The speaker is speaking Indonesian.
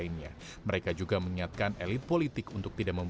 iya jangan bosan